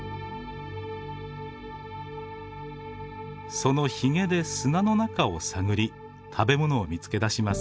そのひげで砂の中を探り食べ物を見つけ出します。